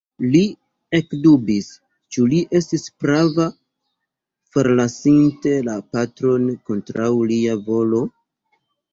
Li ekdubis, ĉu li estis prava, forlasinte la patron kontraŭ lia volo?